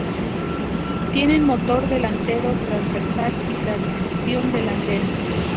Tiene motor delantero transversal y tracción delantera.